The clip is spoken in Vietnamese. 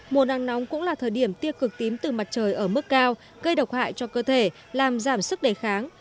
mùa nắng nóng cũng là thời điểm tiê cực tím từ mặt trời ở mức cao gây độc hại cho cơ thể làm giảm sức đề kháng